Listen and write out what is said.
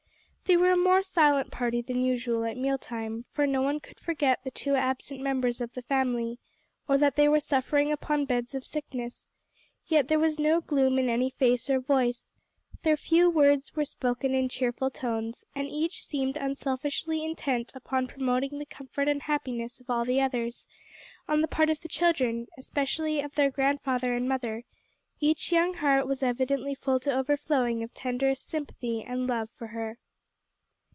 They were a more silent party than usual at meal time, for no one could forget the two absent members of the family, or that they were suffering upon beds of sickness; yet there was no gloom in any face or voice: their few words were spoken in cheerful tones, and each seemed unselfishly intent upon promoting the comfort and happiness of all the others; on the part of the children, especially of their grandfather and mother; each young heart was evidently full to overflowing of tenderest sympathy and love for her.